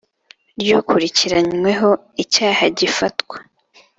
Ry ukurikiranyweho icyaha gifatwa